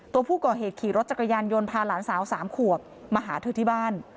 ตัวผู้ก่อเหตุขี่รถจักรยานยนต์พาหลานสาว๓ขวบมาหาเธอที่บ้าน